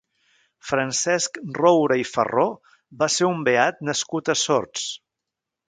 Francesc Roura i Farró va ser un beat nascut a Sords.